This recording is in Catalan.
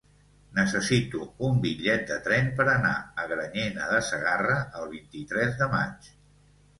Necessito un bitllet de tren per anar a Granyena de Segarra el vint-i-tres de maig.